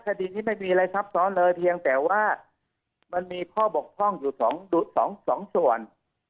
คดีนี้ไม่มีอะไรซับซ้อนเลยเพียงแต่ว่ามันมีข้อบกพร่องอยู่สองส่วน